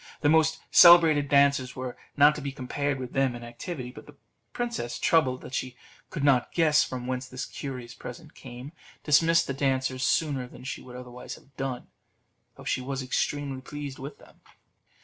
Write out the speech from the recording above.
The most celebrated dancers were not to be compared with them in activity. But the princess, troubled that she could not guess from whence this curious present came, dismissed the dancers sooner than she would otherwise have done, though she was extremely pleased with them.